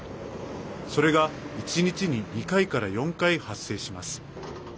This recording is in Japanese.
それが１日に２回から４回発生します。